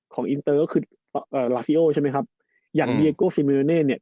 อินเตอร์ก็คือเอ่อลาซิโอใช่ไหมครับอย่างเดียโกซิเมอร์เน่เนี่ย